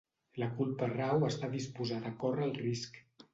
La culpa rau a estar disposat a córrer el risc.